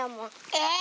え！